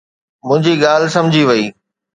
منهنجي ڳالهه سمجهي وئي